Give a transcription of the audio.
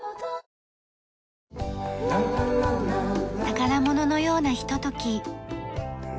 宝物のようなひととき。